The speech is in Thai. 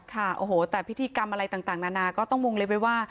ค่ะะโหแต่พิธีกรรมอะไรต่างนานาก็ต้องมุ่งเลยว่า